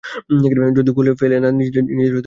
যদি খুলে ফেলে না, নিজের জিহ্বা কাটিয়ে ফেলব।